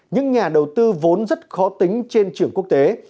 những nhà đầu tư vốn rất khó tính trên trường quốc tế